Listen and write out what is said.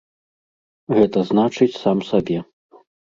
Гэта значыць, сам сабе.